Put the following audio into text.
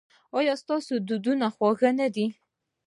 ایا ستاسو یادونه خوږه نه ده؟